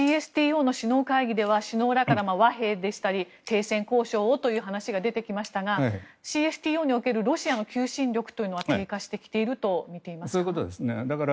ＣＳＴＯの首脳会議では首脳らから和平でしたり停戦交渉をという話が出てきましたがＣＳＴＯにおけるロシアの求心力というのは低下してきていると見ていますか。